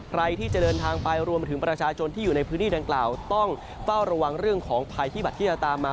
ใครที่จะเดินทางไปรวมไปถึงประชาชนที่อยู่ในพื้นที่ดังกล่าวต้องเฝ้าระวังเรื่องของภัยพิบัตรที่จะตามมา